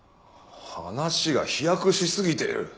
話が飛躍し過ぎている。